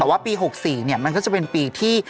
แต่ว่าปี๖๔มันก็จะเป็นปีที่